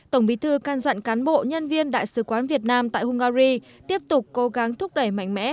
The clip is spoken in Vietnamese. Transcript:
tổng bí thư can dặn cán bộ nhân viên đại sứ quán việt nam tại hungary tiếp tục cố gắng thúc đẩy mạnh mẽ